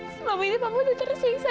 selama ini papa udah tersiksa